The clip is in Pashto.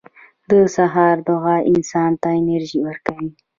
• د سهار دعا انسان ته انرژي ورکوي.